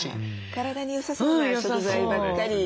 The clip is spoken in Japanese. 体によさそうな食材ばっかりですよね。